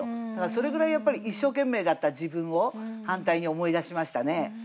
それぐらいやっぱり一生懸命だった自分を反対に思い出しましたね。